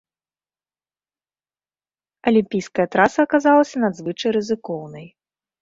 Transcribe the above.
Алімпійская траса аказалася надзвычай рызыкоўнай.